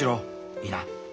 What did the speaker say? いいな。